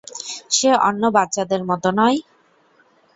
সে অন্য বাচ্চাদের মতো নয়?